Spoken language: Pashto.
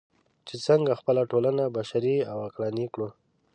چې څنګه خپله ټولنه بشري او عقلاني کړو.